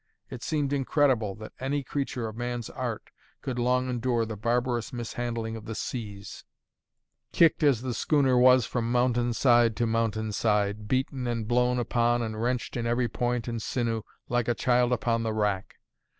It seemed incredible that any creature of man's art could long endure the barbarous mishandling of the seas, kicked as the schooner was from mountain side to mountain side, beaten and blown upon and wrenched in every joint and sinew, like a child upon the rack.